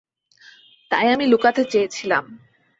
তাই আমি লুকাতে চেয়েছিলাম।